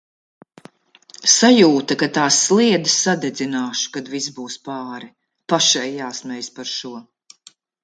Sajūta, ka tās sliedes sadedzināšu, kad viss būs pāri. Pašai jāsmejas par šo.